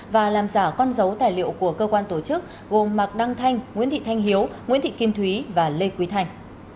và làm giả con dấu tài liệu của cơ quan tổ chức gồm mạc đăng thanh nguyễn thị thanh hiếu nguyễn thị kim thúy và lê quý thành